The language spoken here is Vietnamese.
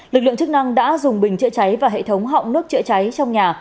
lực lượng chức năng đã dùng bình chữa cháy và hệ thống họng nước chữa cháy trong nhà